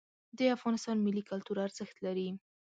د افغانستان ملي کلتور ارزښت لري.